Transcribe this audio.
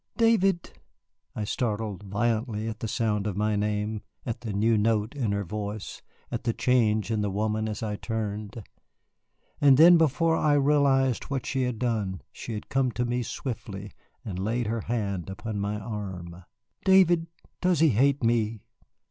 "David!" I started violently at the sound of my name, at the new note in her voice, at the change in the woman as I turned. And then before I realized what she had done she had come to me swiftly and laid her hand upon my arm. "David, does he hate me?"